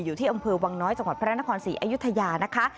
อยู่ที่อำเภอวังน้อยจังหวัดพระนครศรีอยุธยานะคะ